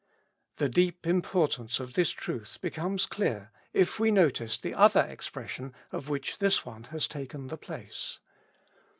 The deep importance of this truth becomes clear if w^e no tice the other expression of which this one has taken the place.